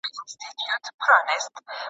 کمپيوټر پېسې انتقالوي.